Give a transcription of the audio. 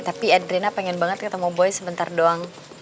tapi edrina pengen banget ketemu boy sebentar doang